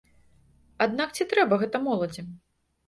Аднак ці трэба гэта моладзі?